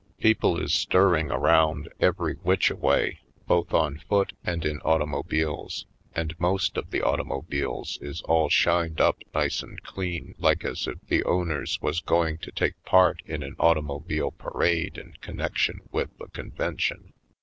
People is stirring around every which a way, both on foot and in automobiles; and most of the automobiles is all shined up nice and clean like as if the owners was going to take part in an automobile parade in connection with the convention.